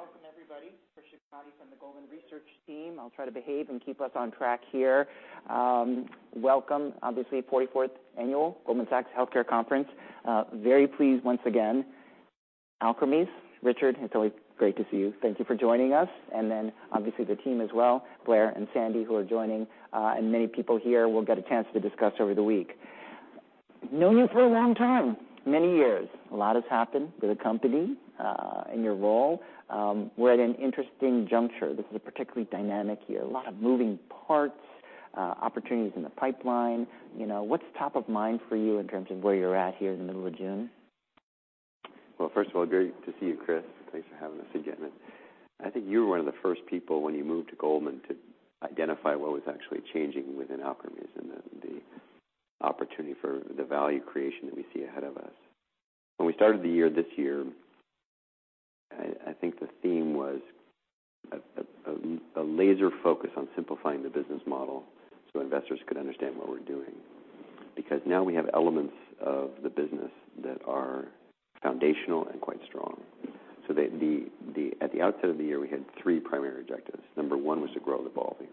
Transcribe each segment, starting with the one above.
Welcome, everybody. Chris Shibutani from the Goldman Research team. I'll try to behave and keep us on track here. Welcome, obviously, 44th Annual Goldman Sachs Healthcare Conference. Very pleased once again, Alkermes. Richard, it's always great to see you. Thank you for joining us, and then, obviously, the team as well, Blair and Sandy, who are joining, and many people here we'll get a chance to discuss over the week. Known you for a long time, many years. A lot has happened with the company, and your role. We're at an interesting juncture. This is a particularly dynamic year. A lot of moving parts, opportunities in the pipeline. You know, what's top of mind for you in terms of where you're at here in the middle of June? First of all, great to see you, Chris. Thanks for having us again. I think you were one of the first people, when you moved to Goldman, to identify what was actually changing within Alkermes and the opportunity for the value creation that we see ahead of us. When we started the year, this year, I think the theme was a laser focus on simplifying the business model so investors could understand what we're doing. Now we have elements of the business that are foundational and quite strong. At the outset of the year, we had three primary objectives. Number one was to grow LYBALVI,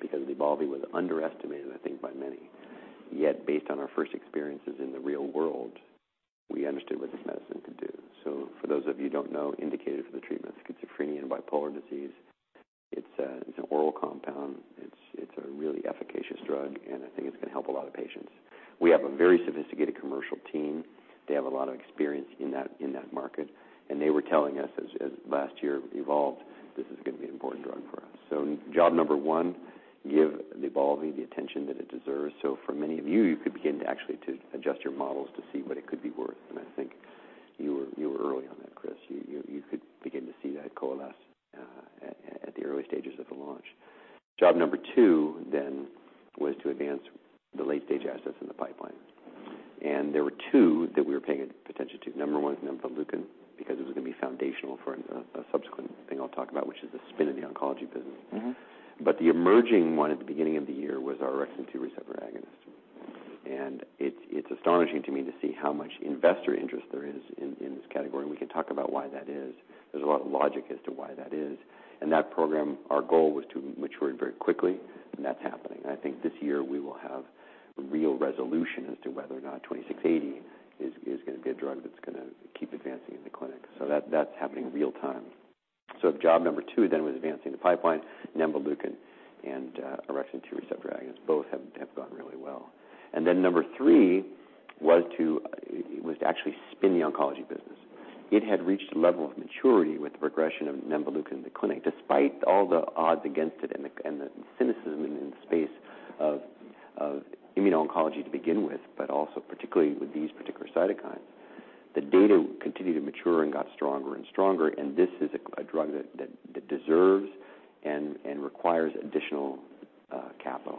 because LYBALVI was underestimated, I think, by many. Based on our first experiences in the real world, we understood what this medicine could do. For those of you who don't know, indicated for the treatment of schizophrenia and bipolar disease, it's a, it's an oral compound, it's a really efficacious drug, and I think it's going to help a lot of patients. We have a very sophisticated commercial team. They have a lot of experience in that, in that market, and they were telling us as last year evolved, this is going to be an important drug for us. Job number one, give LYBALVI the attention that it deserves. For many of you could begin to actually to adjust your models to see what it could be worth. I think you were, you were early on that, Chris. You, you could begin to see that coalesce at the early stages of the launch. Job number two was to advance the late-stage assets in the pipeline. There were two that we were paying attention to. Number one is nemvaleukin, because it was going to be foundational for a subsequent thing I'll talk about, which is the spin of the oncology business. Mm-hmm. The emerging one at the beginning of the year was our orexin-2 receptor agonist. It's astonishing to me to see how much investor interest there is in this category. We can talk about why that is. There's a lot of logic as to why that is. That program, our goal was to mature it very quickly, and that's happening. I think this year we will have real resolution as to whether or not 2680 is going to be a drug that's going to keep advancing in the clinic. That's happening real-time. Job number two was advancing the pipeline, nemvaleukin and orexin-2 receptor agonist. Both have gone really well. Number three was to actually spin the oncology business. It had reached a level of maturity with the progression of nemvaleukin in the clinic. Despite all the odds against it and the cynicism in the space of immuno-oncology to begin with, but also particularly with these particular cytokines, the data continued to mature and got stronger and stronger, and this is a drug that deserves and requires additional capital.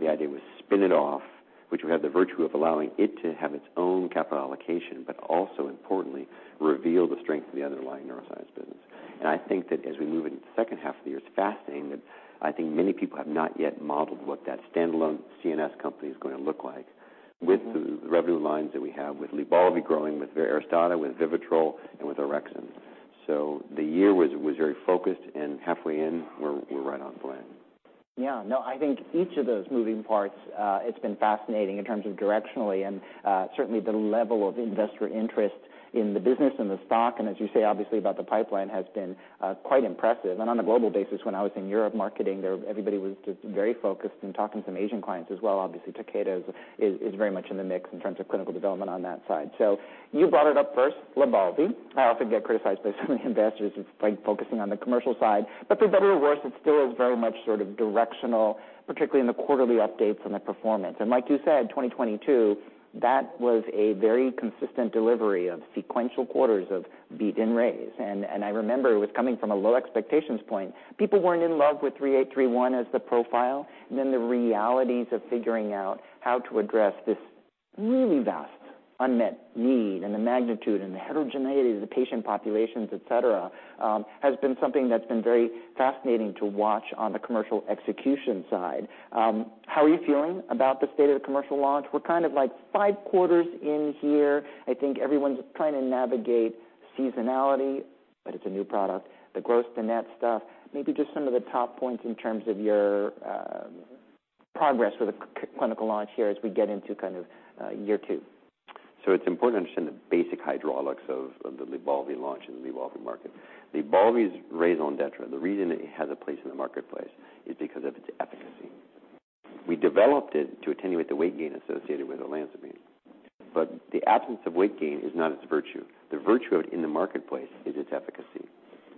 The idea was spin it off, which would have the virtue of allowing it to have its own capital allocation, but also, importantly, reveal the strength of the underlying neuroscience business. I think that as we move into the second half of the year, it's fascinating that I think many people have not yet modeled what that standalone CNS company is going to look like. Mm-hmm. With the revenue lines that we have, with LYBALVI growing, with ARISTADA, with VIVITROL, and with orexin. The year was very focused, and halfway in, we're right on plan. Yeah. No, I think each of those moving parts, it's been fascinating in terms of directionally and certainly the level of investor interest in the business and the stock, and as you say, obviously, about the pipeline, has been quite impressive. On a global basis, when I was in Europe marketing there, everybody was just very focused in talking to some Asian clients as well. Obviously, Takeda is very much in the mix in terms of clinical development on that side. You brought it up first, LYBALVI. I often get criticized by some investors for focusing on the commercial side, but for better or worse, it still is very much sort of directional, particularly in the quarterly updates and the performance. Like you said, 2022, that was a very consistent delivery of sequential quarters of beat and raise. I remember it was coming from a low expectations point. People weren't in love with three 3831 as the profile, and then the realities of figuring out how to address this really vast unmet need and the magnitude and the heterogeneity of the patient populations, et cetera, has been something that's been very fascinating to watch on the commercial execution side. How are you feeling about the state of the commercial launch? We're kind of, like, five quarters in here. I think everyone's trying to navigate seasonality, but it's a new product, the gross to net stuff. Maybe just some of the top points in terms of your progress with the clinical launch here as we get into kind of year two. It's important to understand the basic hydraulics of the LYBALVI launch and the LYBALVI market. LYBALVI's raison d'être, the reason it has a place in the marketplace, is because of its efficacy. We developed it to attenuate the weight gain associated with olanzapine, but the absence of weight gain is not its virtue. The virtue of it in the marketplace is its efficacy.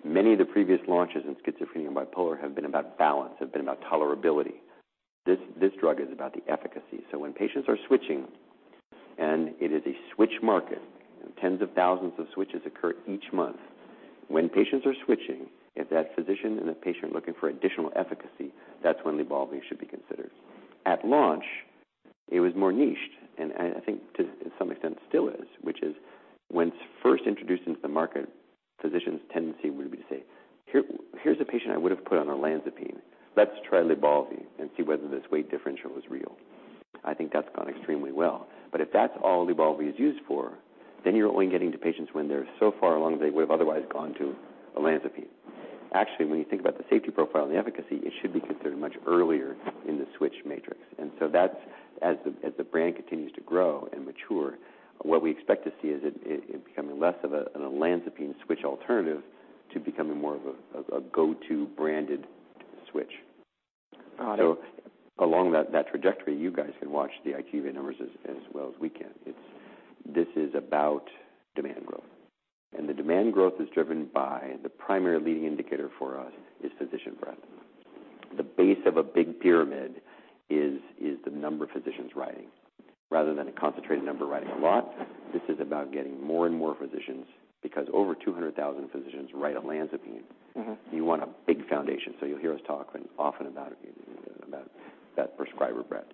Many of the previous launches in schizophrenia and bipolar have been about balance, have been about tolerability. This drug is about the efficacy. When patients are switching, and it is a switch market, tens of thousands of switches occur each month. When patients are switching, if that physician and the patient are looking for additional efficacy, that's when LYBALVI should be considered. At launch, it was more niched, and I think to some extent still is, which is when first introduced into the market, physicians. Here's a patient I would have put on olanzapine. Let's try LYBALVI and see whether this weight differential is real. I think that's gone extremely well. If that's all LYBALVI is used for, then you're only getting to patients when they're so far along, they would have otherwise gone to olanzapine. Actually, when you think about the safety profile and the efficacy, it should be considered much earlier in the switch matrix. That's, as the brand continues to grow and mature, what we expect to see is it becoming less of an olanzapine switch alternative to becoming more of a go-to branded switch. Got it. Along that trajectory, you guys can watch the IQVIA numbers as well as we can. This is about demand growth, and the demand growth is driven by the primary leading indicator for us is physician breadth. The base of a big pyramid is the number of physicians writing, rather than a concentrated number of writing a lot. This is about getting more and more physicians because over 200,000 physicians write olanzapine. Mm-hmm. You want a big foundation, you'll hear us talk often about that prescriber breadth.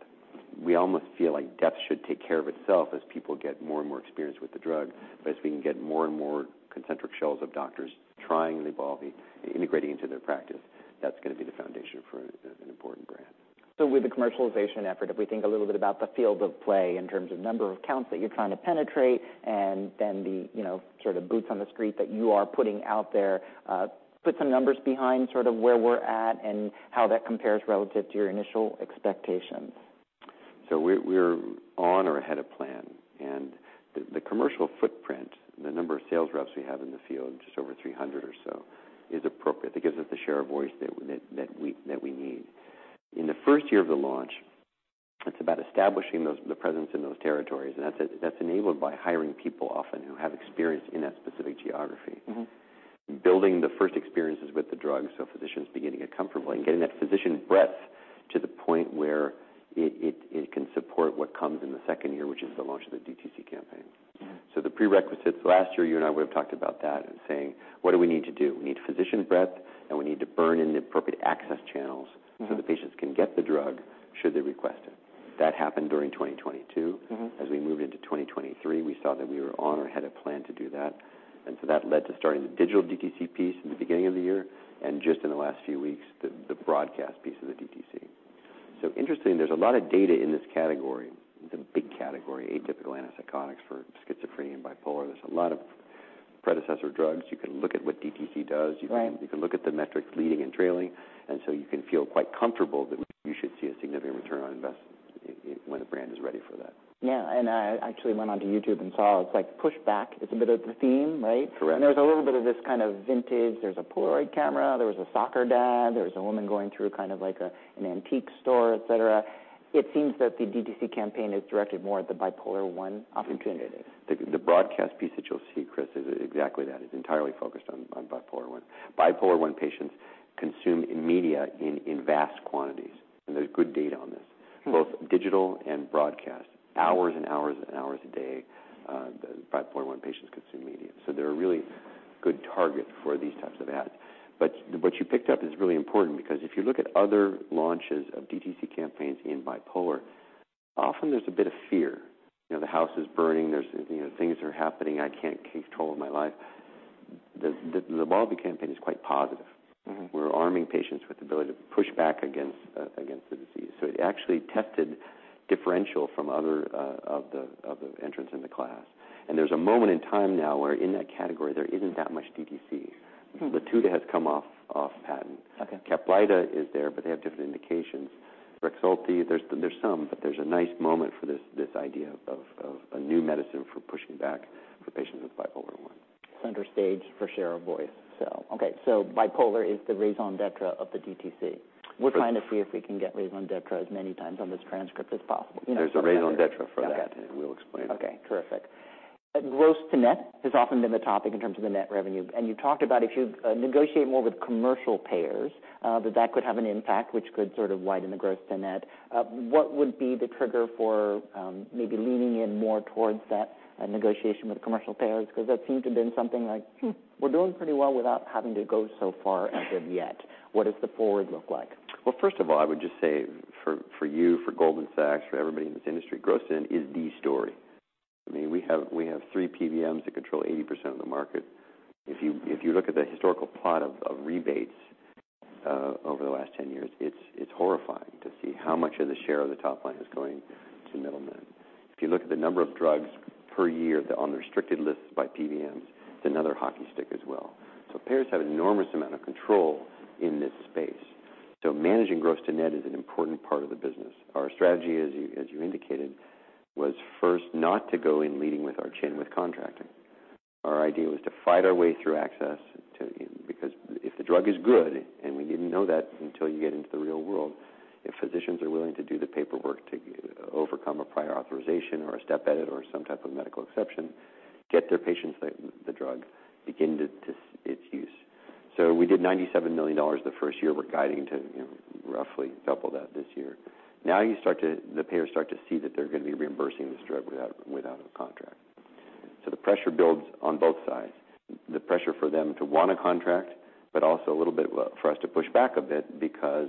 We almost feel like depth should take care of itself as people get more and more experienced with the drug. If we can get more and more concentric shells of doctors trying LYBALVI, integrating into their practice, that's gonna be the foundation for an important brand. With the commercialization effort, if we think a little bit about the field of play in terms of number of accounts that you're trying to penetrate, and then the, you know, sort of boots on the street that you are putting out there, put some numbers behind sort of where we're at and how that compares relative to your initial expectations? We're on or ahead of plan, the commercial footprint, the number of sales reps we have in the field, just over 300 or so, is appropriate. It gives us the share of voice that we need. In the first year of the launch, it's about establishing those, the presence in those territories. That's enabled by hiring people often who have experience in that specific geography. Mm-hmm. Building the first experiences with the drug, so physicians be getting it comfortable and getting that physician breadth to the point where it can support what comes in the second year, which is the launch of the DTC campaign. Mm. The prerequisites, last year, you and I would have talked about that and saying: What do we need to do? We need physician breadth, and we need to burn in the appropriate access channels. Mm-hmm. The patients can get the drug should they request it. That happened during 2022. Mm-hmm. As we moved into 2023, we saw that we were on or had a plan to do that. That led to starting the digital DTC piece in the beginning of the year, and just in the last few weeks, the broadcast piece of the DTC. Interestingly, there's a lot of data in this category. It's a big category, atypical antipsychotics for schizophrenia and bipolar. There's a lot of predecessor drugs. You can look at what DTC does. Right. You can look at the metrics leading and trailing, and so you can feel quite comfortable that you should see a significant return on investment when the brand is ready for that. Yeah, I actually went on to YouTube and saw it's like push back. It's a bit of the theme, right? Correct. There's a little bit of this kind of vintage. There's a Polaroid camera, there was a soccer dad, there was a woman going through kind of like an antique store, et cetera. It seems that the DTC campaign is directed more at the bipolar I opportunity. The broadcast piece that you'll see, Chris, is exactly that. It's entirely focused on bipolar I. Bipolar I patients consume in media in vast quantities. There's good data on this. Mm-hmm. Both digital and broadcast, hours and hours and hours a day, bipolar I patients consume media. They're a really good target for these types of ads. What you picked up is really important because if you look at other launches of DTC campaigns in bipolar, often there's a bit of fear. You know, the house is burning, there's, you know, things are happening, I can't keep control of my life. The LYBALVI campaign is quite positive. Mm-hmm. We're arming patients with the ability to push back against the disease. It actually tested differential from other of the entrants in the class. There's a moment in time now where in that category, there isn't that much DTC. Mm-hmm. Latuda has come off patent. Okay. Caplyta is there, but they have different indications. Rexulti, there's some, but there's a nice moment for this idea of a new medicine for pushing back for patients with bipolar I. Center stage for share of voice. Okay, so bipolar is the raison d'être of the DTC. Yes. We're trying to see if we can get raison d'être as many times on this transcript as possible. There's a raison d'être for that. Okay. We'll explain it. Okay, terrific. Gross to net has often been the topic in terms of the net revenue. You talked about if you negotiate more with commercial payers, that that could have an impact, which could sort of widen the gross to net. What would be the trigger for maybe leaning in more towards that negotiation with commercial payers? That seems to have been something like, "Hmm, we're doing pretty well without having to go so far as of yet." What does the forward look like? Well, first of all, I would just say for you, for Goldman Sachs, for everybody in this industry, gross to net is the story. I mean, we have three PBMs that control 80% of the market. If you look at the historical plot of rebates over the last 10 years, it's horrifying to see how much of the share of the top line is going to middlemen. If you look at the number of drugs per year on the restricted list by PBMs, it's another hockey stick as well. Payers have enormous amount of control in this space. Managing gross to net is an important part of the business. Our strategy, as you indicated, was first not to go in leading with our chain with contracting. Our idea was to fight our way through access to. If the drug is good, and we didn't know that until you get into the real world, if physicians are willing to do the paperwork to overcome a prior authorization or a step edit or some type of medical exception, get their patients the drug, begin to its use. We did $97 million the first year. We're guiding to roughly double that this year. The payers start to see that they're going to be reimbursing this drug without a contract. The pressure builds on both sides. The pressure for them to want to contract, but also for us to push back a bit because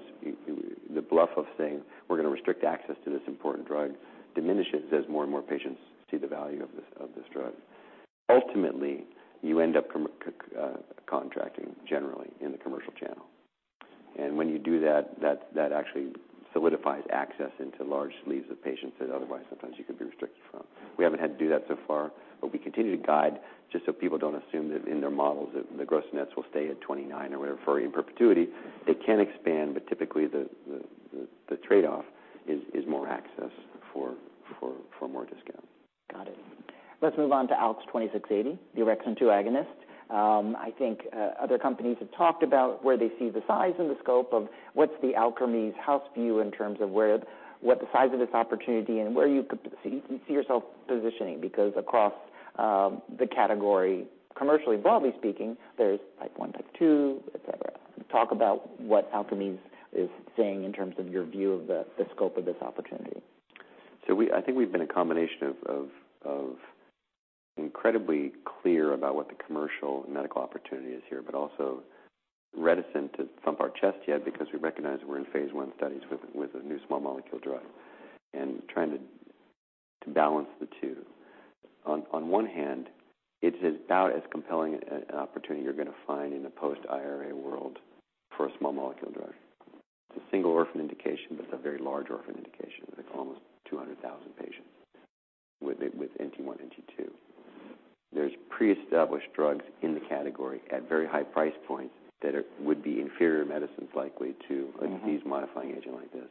the bluff of saying, "We're going to restrict access to this important drug," diminishes as more and more patients see the value of this drug. Ultimately, you end up contracting generally in the commercial channel. And when you do that actually solidifies access into large sleeves of patients that otherwise sometimes you could be restricted from. We haven't had to do that so far, but we continue to guide just so people don't assume that in their models, the gross nets will stay at 29 or whatever, in perpetuity. It can expand, but typically the trade-off is more access for more discount. Got it. Let's move on to ALKS 2680, the orexin-2 agonist. I think other companies have talked about where they see the size and the scope of what's the Alkermes house view in terms of what the size of this opportunity is and where you could see yourself positioning. Because across the category, commercially, broadly speaking, there's type 1, type 2, et cetera. Talk about what Alkermes is saying in terms of your view of the scope of this opportunity. I think we've been a combination of incredibly clear about what the commercial medical opportunity is here, but also reticent to thump our chest yet because we recognize we're in phase I studies with a new small molecule drug and trying to balance the two. On one hand, it's about as compelling an opportunity you're going to find in a post-IRA world for a small molecule drug. It's a single orphan indication, but it's a very large orphan indication. It's almost 200,000 patients with NT1, NT2. There's pre-established drugs in the category at very high price points that would be inferior medicines likely to. Mm-hmm. A disease-modifying agent like this.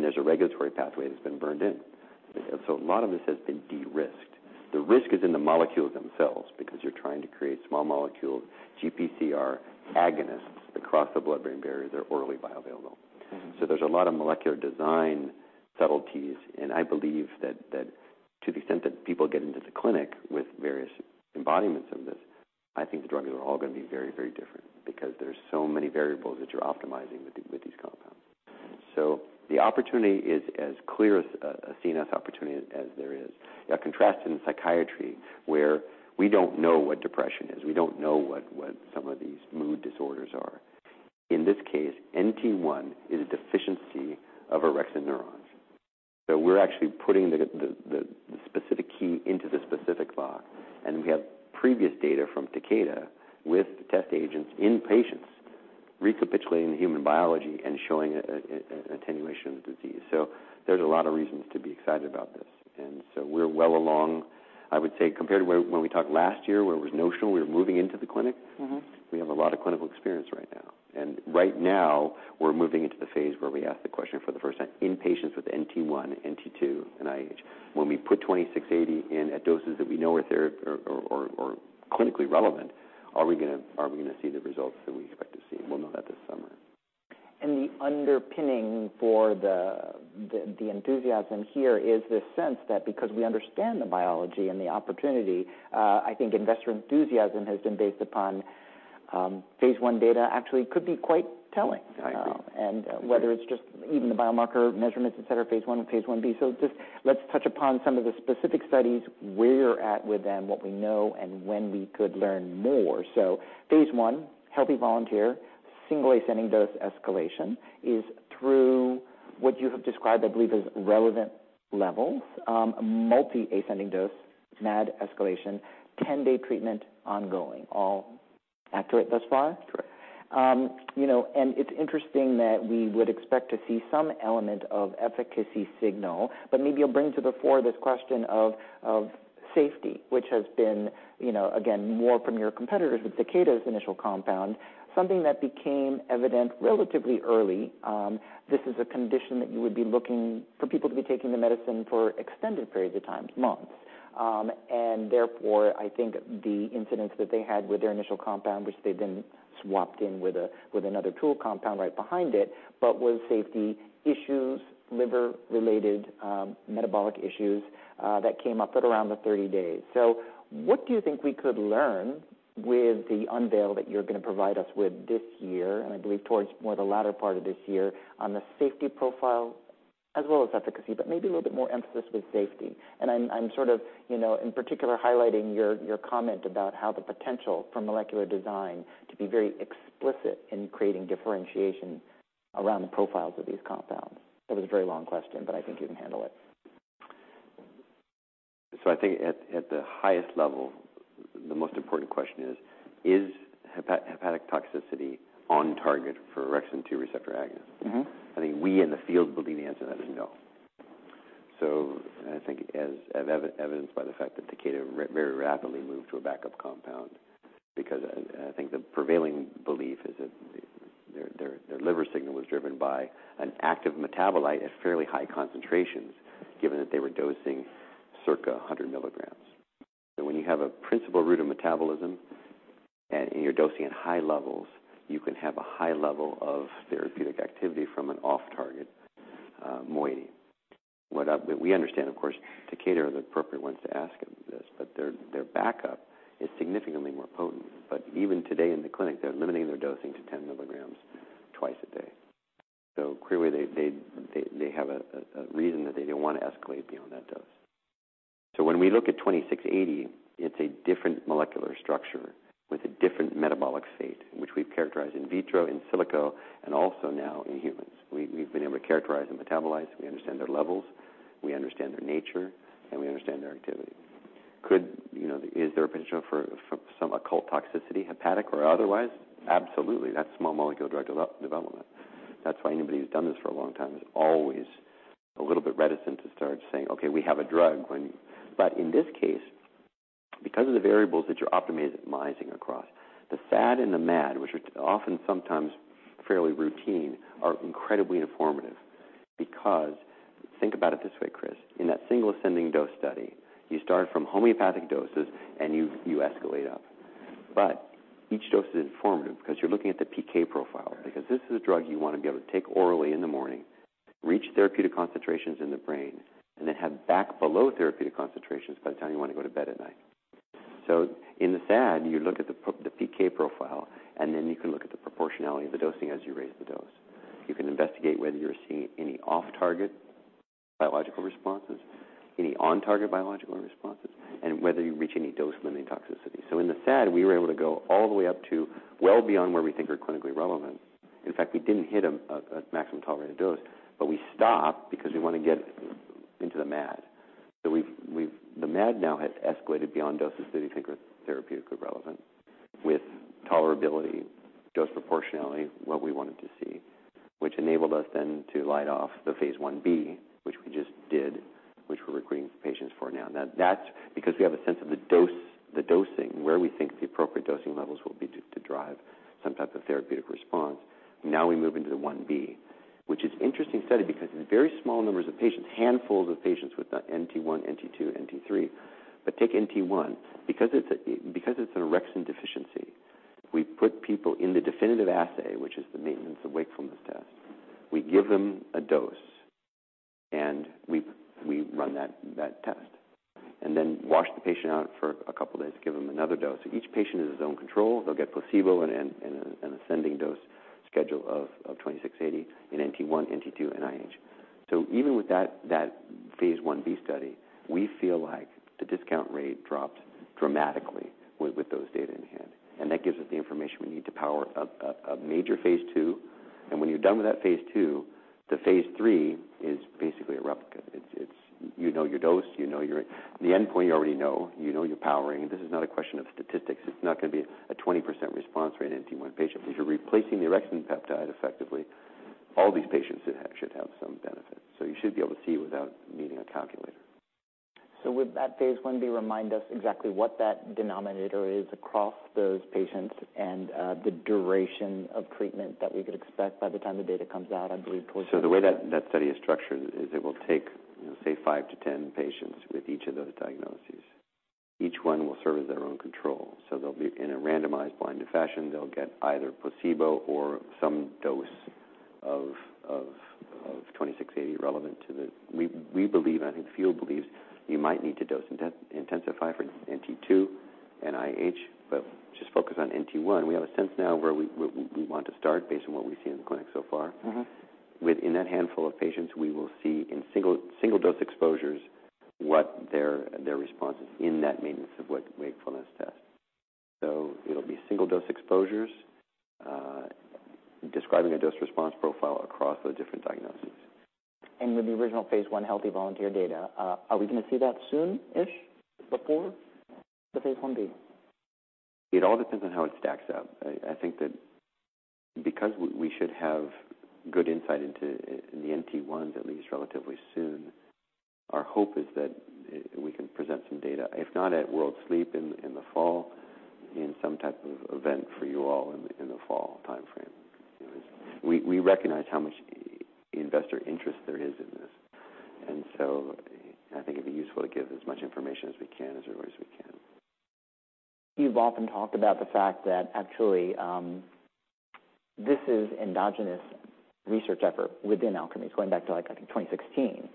There's a regulatory pathway that's been burned in. A lot of this has been de-risked. The risk is in the molecules themselves because you're trying to create small molecule GPCR agonists across the blood-brain barrier. They're orally bioavailable. Mm-hmm. There's a lot of molecular design subtleties, and I believe that to the extent that people get into the clinic with various embodiments of this, I think the drugs are all going to be very different because there's so many variables that you're optimizing with these compounds. The opportunity is as clear a CNS opportunity as there is. Now, contrast in psychiatry, where we don't know what depression is, we don't know what some of these mood disorders are. In this case, NT1 is a deficiency of orexin neurons. We're actually putting the specific key into the specific lock, and we have previous data from Takeda with the test agents in patients, recapitulating the human biology and showing an attenuation of the disease. There's a lot of reasons to be excited about this. We're well along. I would say compared to when we talked last year, where it was notional, we were moving into the clinic. Mm-hmm. We have a lot of clinical experience right now. Right now, we're moving into the phase where we ask the question for the first time: In patients with NT1, NT2, and IH, when we put 2680 in at doses that we know are clinically relevant, are we going to see the results that we expect to see? We'll know that this summer. The underpinning for the enthusiasm here is this sense that because we understand the biology and the opportunity, I think investor enthusiasm has been based upon phase I data actually could be quite telling. I agree. Whether it's just even the biomarker measurements, et cetera, phase I and phase I-B. Just let's touch upon some of the specific studies, where you're at with them, what we know, and when we could learn more. Phase I, healthy volunteer, Single Ascending Dose escalation, is through what you have described, I believe, as relevant levels. Multiple Ascending Dose, MAD escalation, 10-day treatment ongoing. All accurate thus far? Correct. You know, it's interesting that we would expect to see some element of efficacy signal, but maybe it'll bring to the fore this question of safety, which has been, you know, again, more from your competitors with Takeda's initial compound, something that became evident relatively early. This is a condition that you would be looking for people to be taking the medicine for extended periods of time, months. Therefore, I think the incidents that they had with their initial compound, which they then swapped in with a, with another tool compound right behind it, but was safety issues, liver-related, metabolic issues that came up at around the 30 days. What do you think we could learn with the unveil that you're going to provide us with this year, and I believe towards more the latter part of this year, on the safety profile as well as efficacy, but maybe a little bit more emphasis with safety? I'm sort of, you know, in particular, highlighting your comment about how the potential for molecular design to be very explicit in creating differentiation around the profiles of these compounds. That was a very long question, but I think you can handle it. I think at the highest level, the most important question is: Is hepatic toxicity on target for orexin-2 receptor agonist? Mm-hmm. I think we in the field believe the answer to that is no. I think as evidenced by the fact that Takeda very rapidly moved to a backup compound, because I think the prevailing belief is that their liver signal was driven by an active metabolite at fairly high concentrations, given that they were dosing circa 100 mg. When you have a principal route of metabolism and you're dosing at high levels, you can have a high level of therapeutic activity from an off-target moiety. We understand, of course, Takeda are the appropriate ones to ask this, their backup is significantly more potent. Even today in the clinic, they're limiting their dosing to 10 mg twice a day. Clearly, they have a reason that they don't want to escalate beyond that dose. When we look at 2680, it's a different molecular structure with a different metabolic state, which we've characterized in vitro, in silico, and also now in humans. We've been able to characterize and metabolize. We understand their levels, we understand their nature, and we understand their activity. You know, is there a potential for some occult toxicity, hepatic or otherwise. Absolutely. That's small molecule drug development. That's why anybody who's done this for a long time is always a little bit reticent to start saying, "Okay, we have a drug," when. In this case, because of the variables that you're optimizing across, the SAD and the MAD, which are often sometimes fairly routine, are incredibly informative. Think about it this way, Chris, in that Single Ascending Dose study, you start from homeopathic doses and you escalate up. Each dose is informative because you're looking at the PK profile. Right. Because this is a drug you want to be able to take orally in the morning, reach therapeutic concentrations in the brain, and then have back below therapeutic concentrations by the time you want to go to bed at night. In the SAD, you look at the PK profile, and then you can look at the proportionality of the dosing as you raise the dose. You can investigate whether you're seeing any off-target biological responses, any on-target biological responses, and whether you reach any dose-limiting toxicity. In the SAD, we were able to go all the way up to well beyond where we think are clinically relevant. In fact, we didn't hit a maximum tolerated dose, but we stopped because we want to get into the MAD. The MAD now has escalated beyond doses that we think are therapeutically relevant, with tolerability, dose proportionality, what we wanted to see, which enabled us then to light off the phase I-B, which we just did, which we're recruiting patients for now. That's because we have a sense of the dose, the dosing, where we think the appropriate dosing levels will be to drive some type of therapeutic response. We move into the I-B, which is interesting study because in very small numbers of patients, handfuls of patients with NT1, NT2, NT3. Take NT1, because it's an orexin deficiency, we put people in the definitive assay, which is the Maintenance of Wakefulness Test. We give them a dose, and we run that test, and then wash the patient out for a couple of days, give them another dose. Each patient is his own control. They'll get placebo and an ascending dose schedule of 2680 in NT1, NT2, and IH. Even with that phase I-B study, we feel like the discount rate drops dramatically with those data in hand, and that gives us the information we need to power up a major phase II. When you're done with that phase II, the phase III is basically a replica. It's. You know your dose, you know the endpoint you already know. You know your powering. This is not a question of statistics. It's not going to be a 20% response rate in NT1 patient. You're replacing the orexin peptide effectively, all these patients should have some benefit. You should be able to see without needing a calculator. With that phase I-B, remind us exactly what that denominator is across those patients and the duration of treatment that we could expect by the time the data comes out, I believe. The way that study is structured is it will take, say, five to ten patients with each of those diagnoses. Each one will serve as their own control. They'll be in a randomized, blinded fashion. They'll get either placebo or some dose of 2680 relevant to the. We believe, and I think field believes, you might need to dose intensify for NT2 and IH, but just focus on NT1. We have a sense now where we want to start based on what we've seen in the clinic so far. Mm-hmm. Within that handful of patients, we will see in single dose exposures, what their response is in that Maintenance of Wakefulness Test. It'll be single dose exposures, describing a dose response profile across the different diagnoses. With the original phase I healthy volunteer data, are we going to see that soon-ish before the phase I-B? It all depends on how it stacks up. I think that because we should have good insight into, in the NT1s, at least relatively soon, our hope is that we can present some data, if not at World Sleep in the fall, in some type of event for you all in the fall timeframe. We recognize how much investor interest there is in this. I think it'd be useful to give as much information as we can, as early as we can. You've often talked about the fact that actually, this is endogenous research effort within Alkermes, going back to, like, I think, 2016,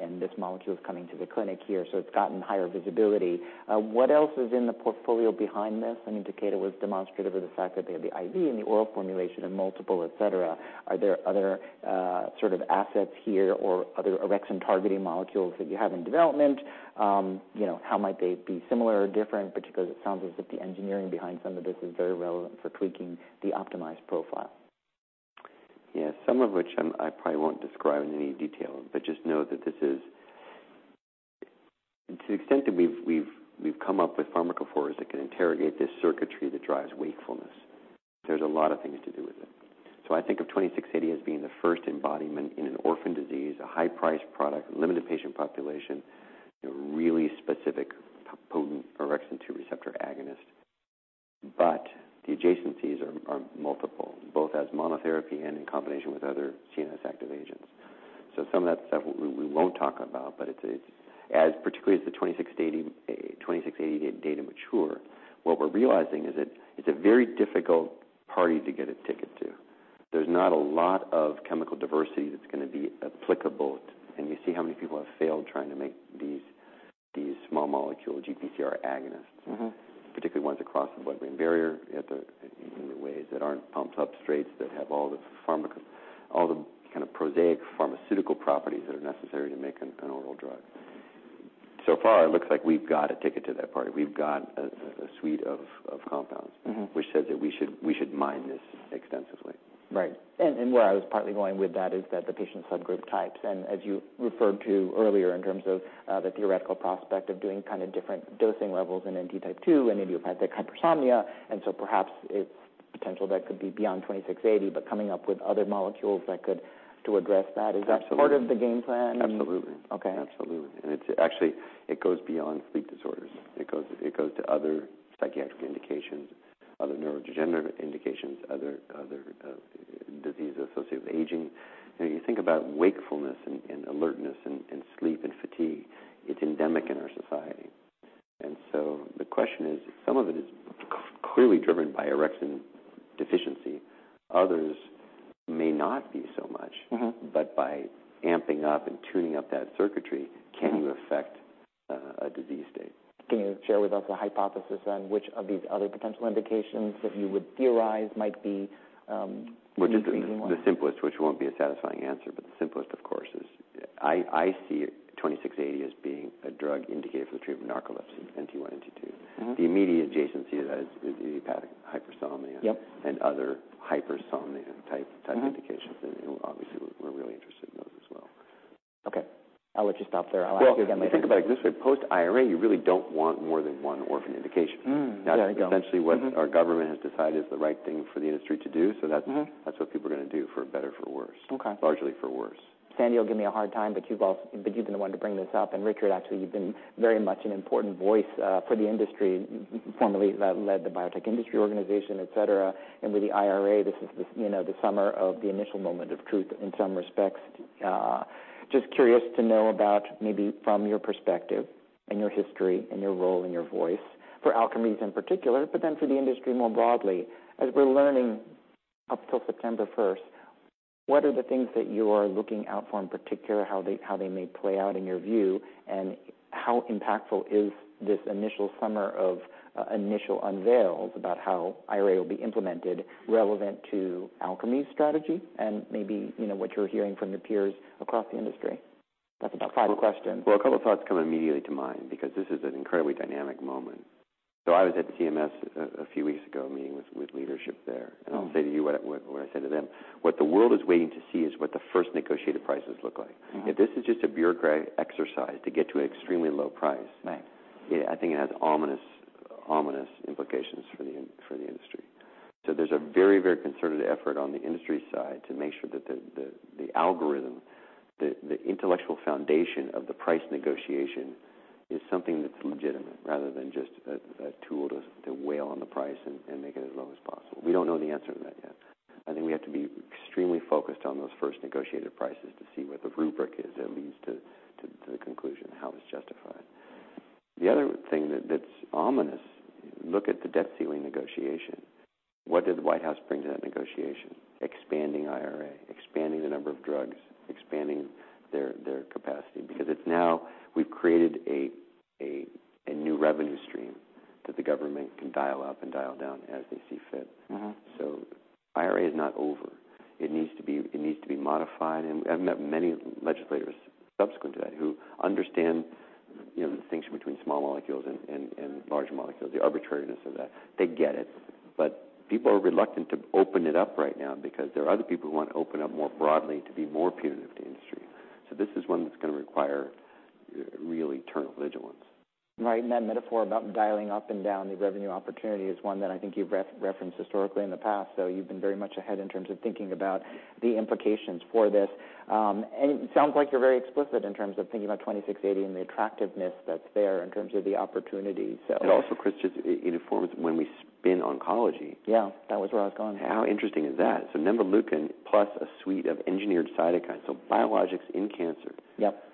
and this molecule is coming to the clinic here, so it's gotten higher visibility. What else is in the portfolio behind this? I mean, Takeda was demonstrative of the fact that they had the IV and the oral formulation and multiple, et cetera. Are there other, sort of assets here or other orexin targeting molecules that you have in development? You know, how might they be similar or different, particularly as it sounds as if the engineering behind some of this is very relevant for tweaking the optimized profile? Yeah, some of which I probably won't describe in any detail, but just know that this is. To the extent that we've come up with pharmacophores that can interrogate this circuitry that drives wakefulness, there's a lot of things to do with it. I think of 2680 as being the first embodiment in an orphan disease, a high-priced product, limited patient population, a really specific, potent orexin-2 receptor agonist. The adjacencies are multiple, both as monotherapy and in combination with other CNS active agents. Some of that stuff we won't talk about, but it's a, as particularly as the 2680 data mature, what we're realizing is it's a very difficult party to get a ticket to. There's not a lot of chemical diversity that's going to be applicable, and you see how many people have failed trying to make these small molecule GPCR agonists. Mm-hmm. Particularly ones across the blood-brain barrier, in the ways that aren't pump substrates, that have all the kind of prosaic pharmaceutical properties that are necessary to make an oral drug. Far, it looks like we've got a ticket to that party. We've got a suite of compounds- Mm-hmm. which says that we should mine this extensively. Right. Where I was partly going with that is that the patient subgroup types, and as you referred to earlier, in terms of, the theoretical prospect of doing kind of different dosing levels in NT2 and idiopathic hypersomnia. Perhaps it's potential that could be beyond 2680, but coming up with other molecules that could, to address that. Absolutely. Is that part of the game plan? Absolutely. Okay. Absolutely. Actually, it goes beyond sleep disorders. It goes to other psychiatric indications, other neurodegenerative indications, other diseases associated with aging. You know, you think about wakefulness and alertness and sleep and fatigue, it's endemic in our society. The question is, some of it is clearly driven by orexin deficiency. Others may not be so much. Mm-hmm. By amping up and tuning up that circuitry. Mm-hmm. Can you affect a disease state? Can you share with us the hypothesis on which of these other potential indications that you would theorize might be? The simplest, which won't be a satisfying answer, but the simplest, of course, is I see 2680 as being a drug indicated for the treatment of narcolepsy, NT1, NT2. Mm-hmm. The immediate adjacency to that is idiopathic hypersomnia. Yep. Other hypersomnia type. Mm-hmm Type indications. Obviously, we're really interested in those as well. Okay. I'll let you stop there. I'll ask you again later. Well, if you think about it this way, post-IRA, you really don't want more than one orphan indication. There you go. That's essentially what. Mm-hmm Our government has decided is the right thing for the industry to do. Mm-hmm. That's what people are gonna do, for better or for worse. Okay. Largely for worse. Sandy, you'll give me a hard time, but you've been the one to bring this up. Richard, actually, you've been very much an important voice for the industry, formerly led the Biotechnology Innovation Organization, et cetera. With the IRA, this is the, you know, the summer of the initial moment of truth in some respects. Just curious to know about maybe from your perspective and your history, and your role, and your voice, for Alkermes, in particular, but then for the industry more broadly. As we're learning up till September 1st, what are the things that you are looking out for in particular, how they may play out in your view? How impactful is this initial summer of initial unveils about how IRA will be implemented relevant to Alkermes' strategy, and maybe, you know, what you're hearing from your peers across the industry? That's about five questions. Well, a couple of thoughts come immediately to mind, because this is an incredibly dynamic moment. I was at the CMS a few weeks ago, meeting with leadership there. Oh. I'll say to you what I said to them: What the world is waiting to see is what the first negotiated prices look like. Mm-hmm. If this is just a bureaucrat exercise to get to an extremely low price. Right I think it has ominous implications for the industry. There's a very concerted effort on the industry side to make sure that the algorithm, the intellectual foundation of the price negotiation, is something that's legitimate, rather than just a tool to wail on the price and make it as low as possible. We don't know the answer to that yet. I think we have to be extremely focused on those first negotiated prices to see what the rubric is that leads to the conclusion, how it's justified. The other thing that's ominous, look at the debt ceiling negotiation. What did the White House bring to that negotiation? Expanding IRA, expanding the number of drugs, expanding their capacity. We've created a new revenue stream that the government can dial up and dial down as Right. That metaphor about dialing up and down the revenue opportunity is one that I think you've referenced historically in the past. You've been very much ahead in terms of thinking about the implications for this. It sounds like you're very explicit in terms of thinking about 2680 and the attractiveness that's there in terms of the opportunity. Also, Chris, just it informs when we spin oncology. Yeah, that was where I was going. How interesting is that? Nemvaleukin plus a suite of engineered cytokines, so biologics in cancer. Yep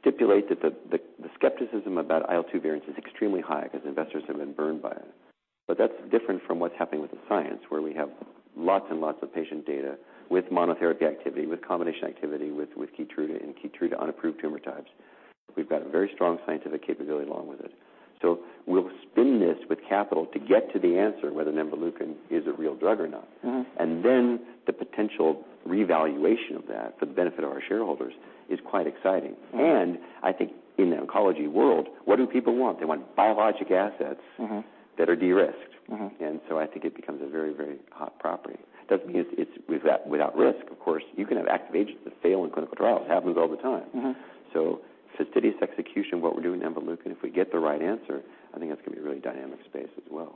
Stipulate that the skepticism about IL-2 variance is extremely high because investors have been burned by it. That's different from what's happening with the science, where we have lots and lots of patient data with monotherapy activity, with combination activity, with KEYTRUDA, and KEYTRUDA unapproved tumor types. We've got a very strong scientific capability along with it. We'll spin this with capital to get to the answer whether nemvaleukin is a real drug or not. Mm-hmm. The potential re-evaluation of that for the benefit of our shareholders is quite exciting. Right. I think in the oncology world, what do people want? They want biologic assets. Mm-hmm That are de-risked. Mm-hmm. I think it becomes a very hot property. Doesn't mean it's without risk. Of course, you can have active agents that fail in clinical trials. It happens all the time. Mm-hmm. Fastidious execution, what we're doing with nemvaleukin, if we get the right answer, I think that's gonna be a really dynamic space as well.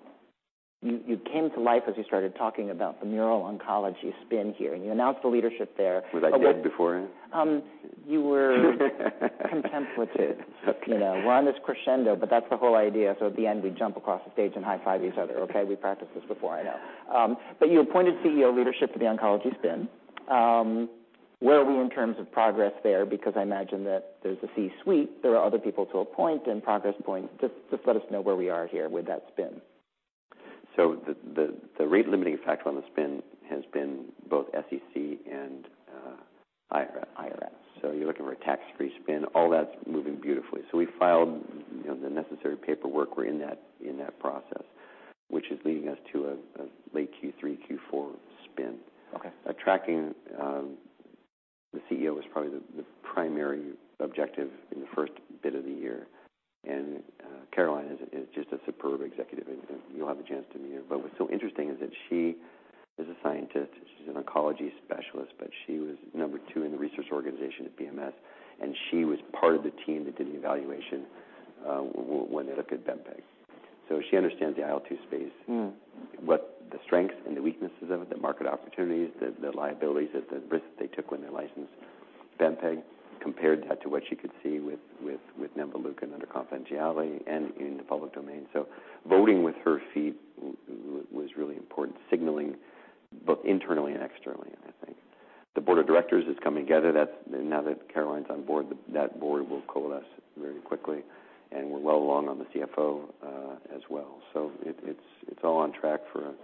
You came to life as you started talking about the immuno-oncology spin here. You announced the leadership there. Was I dead beforehand? You were contemplative. You know, we're on this crescendo, but that's the whole idea. At the end, we jump across the stage and high five each other. Okay? We practiced this before, I know. You appointed CEO leadership to the oncology spin. Where are we in terms of progress there? Because I imagine that there's a C-suite, there are other people to appoint and progress points. Just let us know where we are here with that spin. The rate-limiting factor on the spin has been both SEC and IRS. You're looking for a tax-free spin. All that's moving beautifully. We filed, you know, the necessary paperwork. We're in that process, which is leading us to a late Q3, Q4 spin. Okay. Attracting the CEO is probably the primary objective in the first bit of the year. Caroline is just a superb executive, and you'll have a chance to meet her. What's so interesting is that she is a scientist, she's an oncology specialist, but she was number two in the research organization at BMS, and she was part of the team that did the evaluation when they looked at BEMPEG. She understands the IL-2 space. Mm. What the strengths and the weaknesses of it, the market opportunities, the liabilities, that the risk they took when they licensed BEMPEG, compared that to what she could see with nemvaleukin and under confidentiality and in the public domain. Voting with her feet was really important, signaling both internally and externally, I think. The board of directors is coming together. That's, now that Caroline's on board, that board will coalesce very quickly, and we're well along on the CFO as well. It's all on track for us.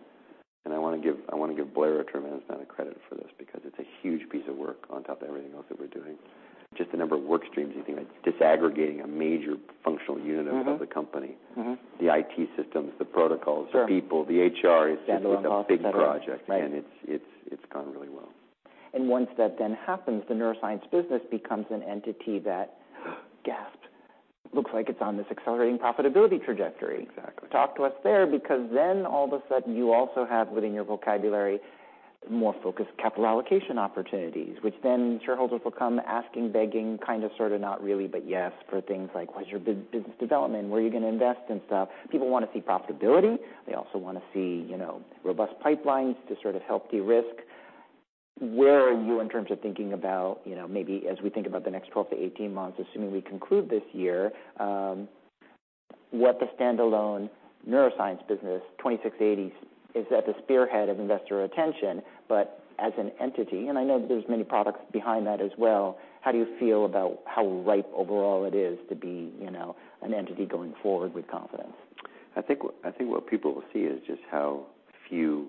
I want to give Blair a tremendous amount of credit for this because it's a huge piece of work on top of everything else that we're doing. Just the number of work streams you think, like disaggregating a major functional unit. Mm-hmm Of the company. Mm-hmm. The IT systems, the protocols. Sure. The people, the HR is just a big project. Right. It's gone really well. Once that then happens, the neuroscience business becomes an entity that, gasp, looks like it's on this accelerating profitability trajectory. Exactly. Talk to us there, because then all of a sudden, you also have within your vocabulary, more focused capital allocation opportunities, which then shareholders will come asking, begging, kind of, sort of, not really, but yes, for things like, "What's your business development? Where are you going to invest and stuff?" People want to see profitability. They also want to see, you know, robust pipelines to sort of help de-risk. Where are you in terms of thinking about, you know, maybe as we think about the next 12-18 months, assuming we conclude this year, what the standalone neuroscience business, 2680, is at the spearhead of investor attention, but as an entity, and I know there's many products behind that as well, how do you feel about how ripe overall it is to be, you know, an entity going forward with confidence? I think what people will see is just how few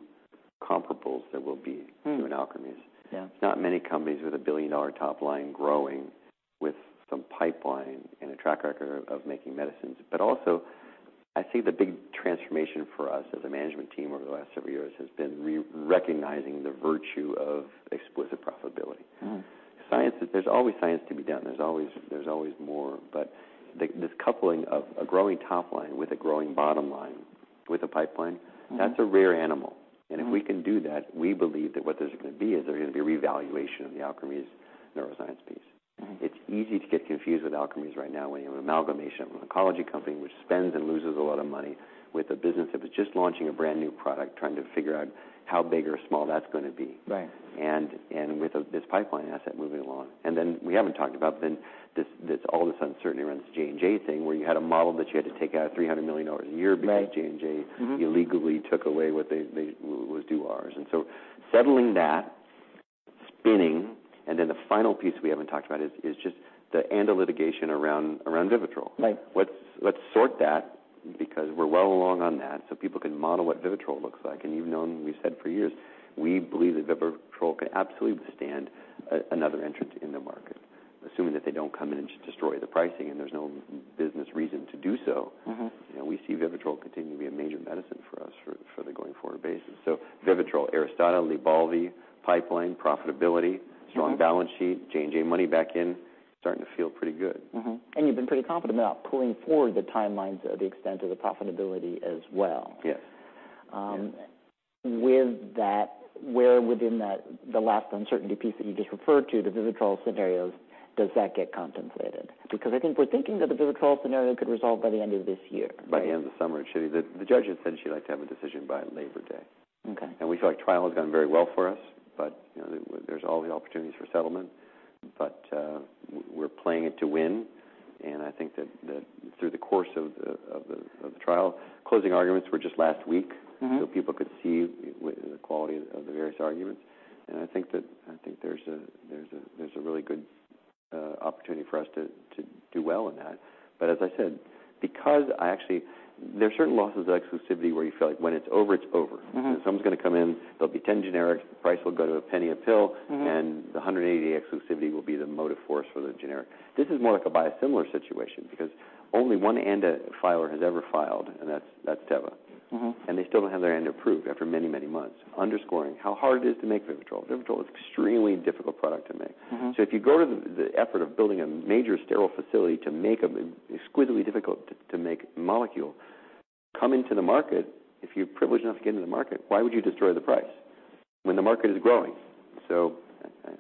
comparables there will be. Hmm. To Alkermes. Yeah. Not many companies with a billion dollar top line growing, with some pipeline and a track record of making medicines. Also, I see the big transformation for us as a management team over the last several years, has been recognizing the virtue of explicit profitability. Mm. Science, there's always science to be done. There's always more. This coupling of a growing top line with a growing bottom line, with a pipeline. Mm. That's a rare animal. Mm. If we can do that, we believe that what there's going to be is there's going to be a revaluation of the Alkermes neuroscience piece. Mm. It's easy to get confused with Alkermes right now, when you have an amalgamation of an oncology company which spends and loses a lot of money, with a business that was just launching a brand new product, trying to figure out how big or small that's going to be. Right. With this pipeline asset moving along. We haven't talked about then, this all of a sudden certainty around this J&J thing, where you had a model that you had to take out $300 million a year. Right. Because J&J. Mm-hmm Illegally took away what they was due ours. Settling that, spinning, and then the final piece we haven't talked about is just the end of litigation around VIVITROL. Right. Let's sort that because we're well along on that, so people can model what VIVITROL looks like. You've known, we've said for years, we believe that VIVITROL can absolutely withstand another entrant in the market, assuming that they don't come in and just destroy the pricing and there's no business reason to do so. Mm-hmm. You know, we see VIVITROL continuing to be a major medicine for us for the going forward basis. VIVITROL, ARISTADA, LYBALVI, pipeline, profitability. Mm-hmm. Strong balance sheet, J&J money back in, starting to feel pretty good. Mm-hmm. You've been pretty confident about pulling forward the timelines or the extent of the profitability as well. Yes. Um- Yeah. Where within that, the last uncertainty piece that you just referred to, the VIVITROL scenarios, does that get compensated? I think we're thinking that the VIVITROL scenario could resolve by the end of this year. By the end of the summer. The judge had said she'd like to have a decision by Labor Day. Okay. We feel like trial has gone very well for us. You know, there's always the opportunities for settlement. We're playing it to win, and I think that through the course of the trial, closing arguments were just last week. Mm-hmm. People could see the quality of the various arguments. I think there's a really good opportunity for us to do well in that. As I said, because I actually There are certain losses of exclusivity where you feel like when it's over, it's over. Mm-hmm. Someone's going to come in, there'll be 10 generics, price will go to $0.01 a pill. Mm-hmm. The 180-day exclusivity will be the motive force for the generic. This is more like a biosimilar situation, because only one ANDA filer has ever filed, and that's Teva. Mm-hmm. They still don't have their ANDA approved after many, many months. Underscoring how hard it is to make VIVITROL. VIVITROL is extremely difficult product to make. Mm-hmm. If you go to the effort of building a major sterile facility to make an exquisitely difficult to make molecule, come into the market, if you're privileged enough to get into the market, why would you destroy the price when the market is growing?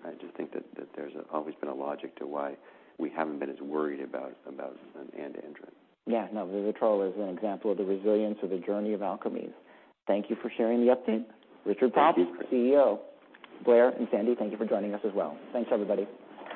I just think that there's always been a logic to why we haven't been as worried about an ANDA entrant. Yeah, no, VIVITROL is an example of the resilience of the journey of Alkermes. Thank you for sharing the update. Thank you. Richard Pops, CEO. Blair and Sandy, thank you for joining us as well. Thanks, everybody.